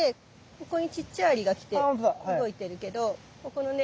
ここにちっちゃいアリが来て動いてるけどここのね